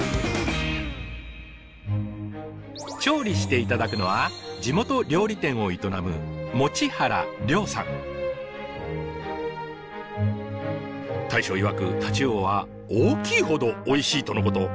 調理して頂くのは地元料理店を営む大将いわくタチウオは大きいほどおいしいとのこと。